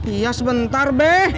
iya sebentar beh